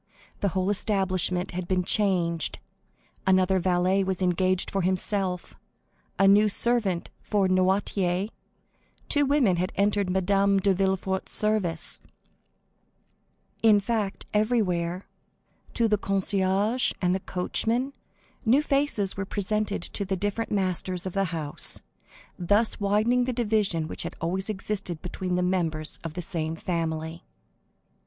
The whole establishment had been changed; another valet was engaged for himself, a new servant for Noirtier, two women had entered Madame de Villefort's service,—in fact, everywhere, to the concierge and coachmen, new faces were presented to the different masters of the house, thus widening the division which had always existed between the members of the same family.